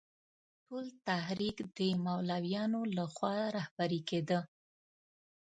ټول تحریک د مولویانو له خوا رهبري کېده.